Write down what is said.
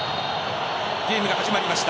ゲームが始まりました。